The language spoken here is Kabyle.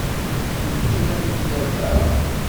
Weltma-m tella da?